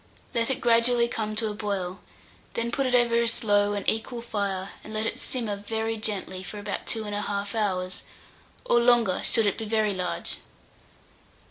Let it gradually come to a boil; then put it over a slow and equal fire, and let it simmer very gently for about 2 1/2 hours, or longer should it be very large.